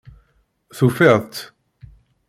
Tufiḍ-t?